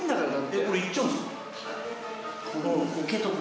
えっこれいっちゃうんですか？